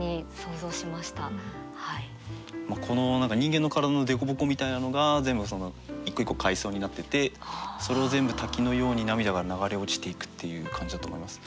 この人間の体の凸凹みたいなのが全部一個一個階層になっててそれを全部滝のように涙が流れ落ちていくっていう感じだと思います。